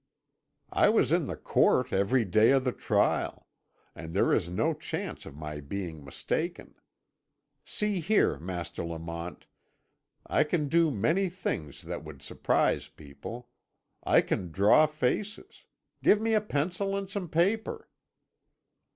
"I was in the court every day of the trial, and there is no chance of my being mistaken. See here, Master Lamont. I can do many things that would surprise people. I can draw faces. Give me a pencil and some paper."